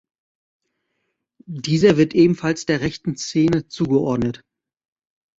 Dieser wird ebenfalls der rechten Szene zugeordnet.